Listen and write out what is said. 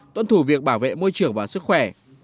tuân thủ việc bảo vệ môi trường và sức khỏe